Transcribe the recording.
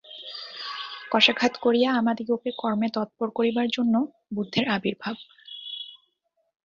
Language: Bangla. কশাঘাত করিয়া আমাদিগকে কর্মে তৎপর করিবার জন্যই বুদ্ধের আবির্ভাব।